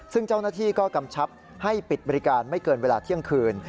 ซึ่งเจ้าหน้าที่ก็กำชับให้ปิดบริการไม่เกินเวลาเที่ยงคืน